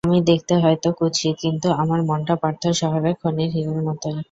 আমি দেখতে হয়তো কুৎসিত কিন্তু আমার মনটা পার্থ শহরের খনির হিরের মতোই।